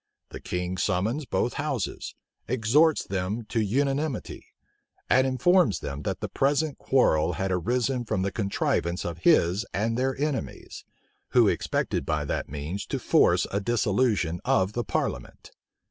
The king summons both houses; exhorts them to unanimity; and informs them, that the present quarrel had arisen from the contrivance of his and their enemies, who expected by that means to force a dissolution of the parliament.